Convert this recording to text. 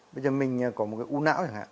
bây giờ mình có một cái u não